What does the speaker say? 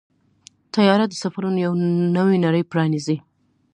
طیاره د سفرونو یو نوې نړۍ پرانیزي.